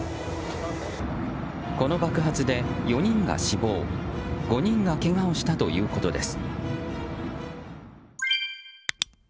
この爆発で４人が死亡、５人がけがをしたということです。